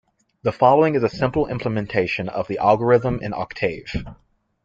The following is a simple implementation of the algorithm in Octave.